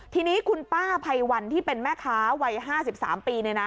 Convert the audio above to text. ทีนี้คุณป้าไพวันที่เป็นแม่ค้าวัย๕๓ปี